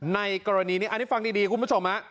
ในกรณีนี้อันนี้ฟังดีคุณผู้ชม